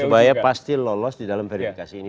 supaya pasti lolos di dalam verifikasi ini